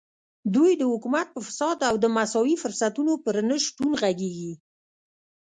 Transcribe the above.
دوی د حکومت په فساد او د مساوي فرصتونو پر نشتون غږېږي.